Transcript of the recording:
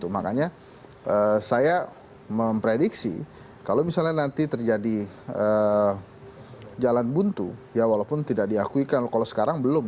makanya saya memprediksi kalau misalnya nanti terjadi jalan buntu ya walaupun tidak diakui kalau sekarang belum